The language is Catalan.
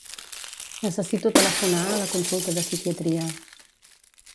Necessito telefonar a la consulta de psiquiatria.